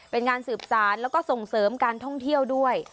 เป็นงานสืบสารแล้วก็ส่งเสริมการท่องเที่ยวด้วย